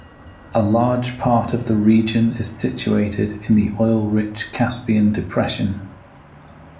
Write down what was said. A large part of the region is situated in the oil-rich Caspian Depression.